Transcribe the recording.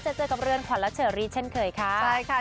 เจอเจอกับเรือนขวัญและเชอรี่เช่นเคยค่ะใช่ค่ะ